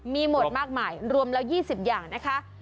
มีหมดมากมายรวมแล้ว๒๐อย่างนะคะ